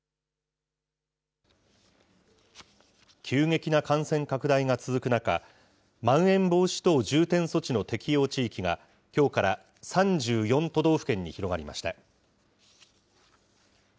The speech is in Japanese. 急激な感染拡大が続く中、まん延防止等重点措置の適用地域が、きょうから３４都道府県に広がりました。